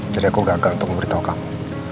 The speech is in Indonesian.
jadi aku gagal untuk memberitahu kamu